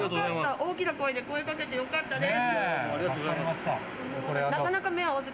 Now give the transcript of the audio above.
大きな声で声かけて良かったです。